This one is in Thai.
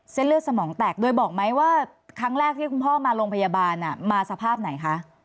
เส้นเลือดสมองแตกโดยบอกไหมว่าครั้งแรกที่คุณพ่อมาโรงพยาบาลมาสภาพไหนคะ